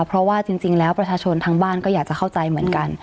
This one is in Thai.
เพราะว่าจริงแล้วประชาชนทางบ้านก็อยากจะเข้าใจเหมือนกัน